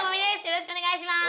よろしくお願いします！